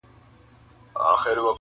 • چي قاضي ته چا درنه برخه ورکړله..